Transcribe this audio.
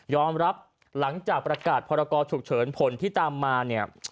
ยอมรับหลังจากประกาศพรกชุดเฉินผลที่ตามมาเนี่ย